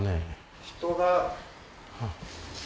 人が。